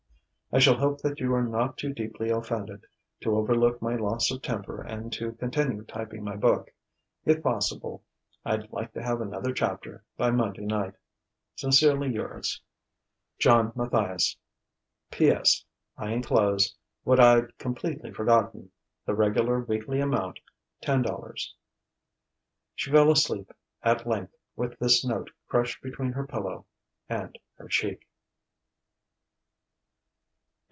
"I shall hope that you are not too deeply offended to overlook my loss of temper and to continue typing my book; if possible I'd like to have another chapter by Monday night. "Sincerely yours, "JOHN MATTHIAS." "P. S. I enclose what I'd completely forgotten the regular weekly amount $10." She fell asleep, at length, with this note crushed between her pillow and her cheek.